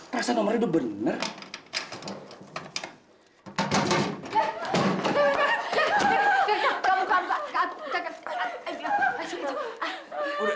rasa nomernya udah bener